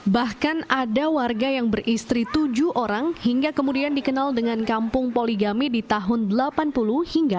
bahkan ada warga yang beristri tujuh orang hingga kemudian dikenal dengan kampung poligami di tahun delapan puluh hingga dua ribu sembilan